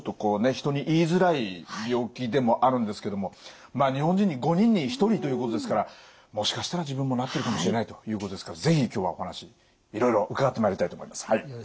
人に言いづらい病気でもあるんですけどもまあ日本人に５人に１人ということですからもしかしたら自分もなってるかもしれないということですから是非今日はお話いろいろ伺ってまいりたいと思います。